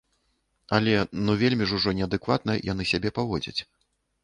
Але ну вельмі ж ужо неадэкватна яны сябе паводзяць.